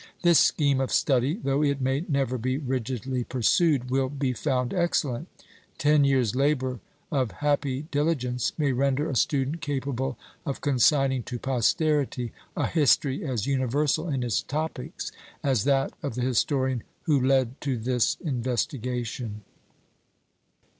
This scheme of study, though it may never be rigidly pursued, will be found excellent. Ten years' labour of happy diligence may render a student capable of consigning to posterity a history as universal in its topics, as that of the historian who led to this investigation.